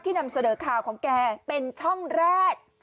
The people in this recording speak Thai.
นำเสนอข่าวของแกเป็นช่องแรก